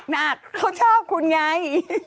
แนนเค้าชอบคุณไง